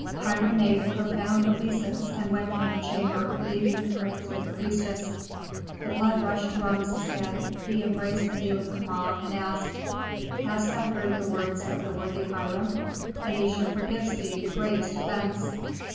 Hiram made a profound obeisance and went from the chamber, leaving the prince with the priestess. The blood rushed to Rameses' head; he embraced the kneeling Kama, and asked, "Hast thou heard the words of the worthy Hiram? Phœnicia forgives thee the greatest offence!